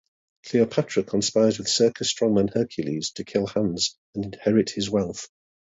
Cleopatra conspires with circus strongman Hercules to kill Hans and inherit his wealth.